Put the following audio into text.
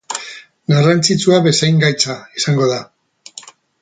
Garrantzitsua bezain gaitza izango da.